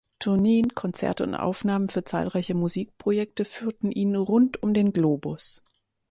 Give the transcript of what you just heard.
Tourneen, Konzerte und Aufnahmen für zahlreiche Musikprojekte führten ihn rund um den Globus.